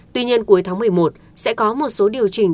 tuy nhiên cuối tháng một mươi một sẽ có một số điều chỉnh